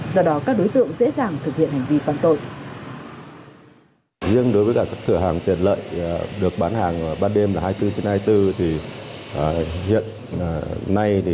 do đó các đối tượng dễ dàng thực hiện hành vi phạm tội